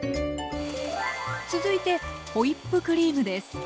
続いてホイップクリームです。